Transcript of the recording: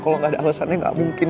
kalau gak ada alasannya gak mungkin